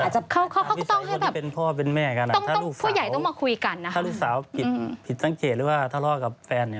แต่พี่ชายเป็นพ่อเป็นแม่กันถ้าลูกสาวผิดสังเกตหรือว่าทะเลาะกับแฟน